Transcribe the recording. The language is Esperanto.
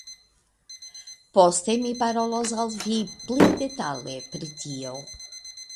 Poste mi parolos al vi pli detale pri tio.